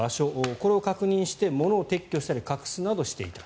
これを確認して物を撤去したり隠すなどしていた。